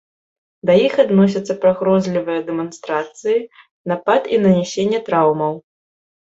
Да іх адносяцца пагрозлівыя дэманстрацыі, напад і нанясенне траўмаў.